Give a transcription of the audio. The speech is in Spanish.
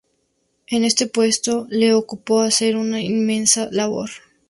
En este puesto le cupo hacer una inmensa labor.